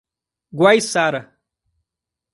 Guaiçara